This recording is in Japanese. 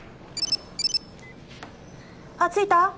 あっ着いた？